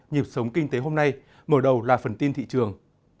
nhịp sống kinh tế hôm nay mở đầu là phần tin thị trường